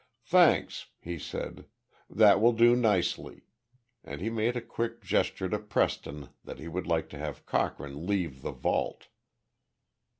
"Thanks," he said. "That will do nicely," and he made a quick gesture to Preston that he would like to have Cochrane leave the vault.